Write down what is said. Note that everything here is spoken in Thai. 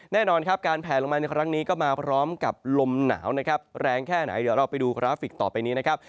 แน่นอนครับการแผลลงมาในครั้งนี้ก็มาพร้อมกับลมหนาวนะครับแรงแค่ไหนเดี๋ยวเราไปดูกราฟิกต่อไปนี้นะครับ